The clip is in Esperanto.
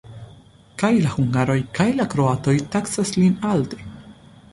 Kaj la hungaroj, kaj la kroatoj taksas lin alte.